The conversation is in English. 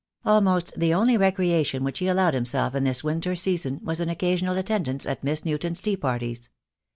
Almost the only recreation which he allowed himself in this winter season was an occasional attendance at Miss Newton's tea parties.